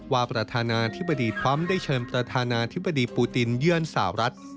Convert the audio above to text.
ประธานาธิบดีทรัมป์ได้เชิญประธานาธิบดีปูตินเยื่อนสาวรัฐ